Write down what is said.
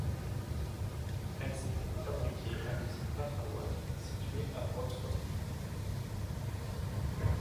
Elles étaient fabriquées à l'usine Pafawag située à Wrocław.